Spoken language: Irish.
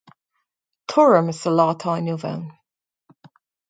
Tuairim is sa lá atá inniu ann.